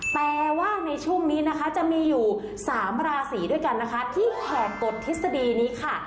แต่ว่าในช่วงนี้นะคะจะมีอยู่๓ราศีด้วยกันนะคะที่แห่งกฎทฤษฎีนี้ค่ะ